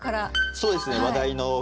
そうですね